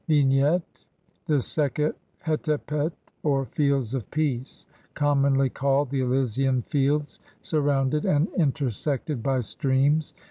] Vignette : The Sekhet hetepet or "Fields of peace", commonly called the "Elysian Fields", surrounded and intersected by streams.